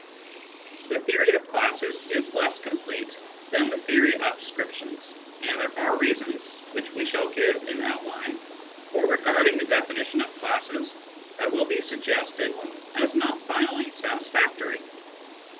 The theory of classes is less complete than the theory of descrip tions, and there are reasons (which we shall give in outline) for regarding the definition of classes that will be suggested as not finally satisfactory.